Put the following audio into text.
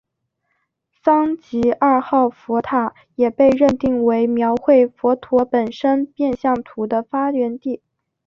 桑吉二号佛塔也被认定为描绘佛陀本生变相图的发源地。